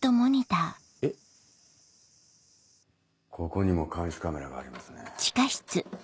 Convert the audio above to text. ここにも監視カメラがありますね。